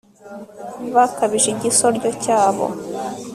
bakabije igisoryo cyabo